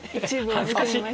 恥ずかしい。